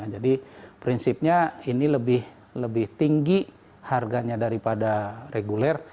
jadi prinsipnya ini lebih tinggi harganya daripada reguler